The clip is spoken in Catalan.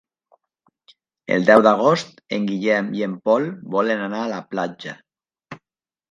El deu d'agost en Guillem i en Pol volen anar a la platja.